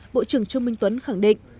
bộ trưởng trung minh tuấn khẳng định